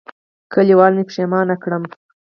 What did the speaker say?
کلیوالو مې پښېمانه کړم.